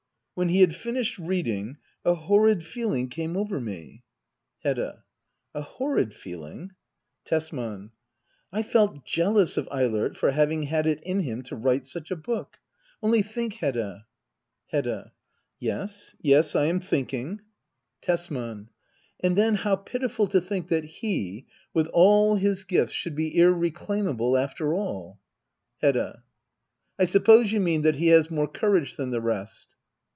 When he had finished reading — a horrid feeling came over me. Hedda. A horrid feeling } Tesman. I felt* jealous of Eilert for having had it in him to write such a book. Only think, Hedda ! Hedda. Yes, yes, I am thinking ! Digitized by Google act iii.] hedda oablbr. 125 Tesman. And then how pitiful to think that he — with all his gifts — should be irreclaimable, after all. Heoda. I suppose you mean that he has more courage than the rest